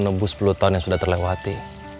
itu semua untuk menebus sepuluh tahun yang sudah terlewati